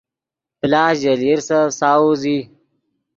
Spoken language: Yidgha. پلاس ژے لیرسف ساؤز ای